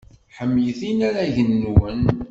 Ḥemmlet inaragen-nwen.